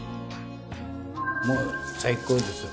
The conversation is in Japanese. もう最高ですよ。